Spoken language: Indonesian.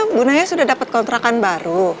bu naya sudah dapat kontrakan baru